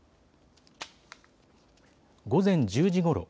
午前１０時ごろ。